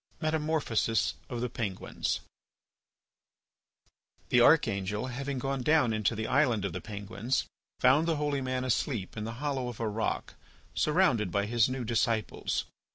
METAMORPHOSIS OF THE PENGUINS The archangel, having gone down into the Island of the Penguins, found the holy man asleep in the hollow of a rock surrounded by his new disciples.